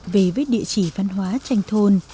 về với địa chỉ văn hóa tranh thôn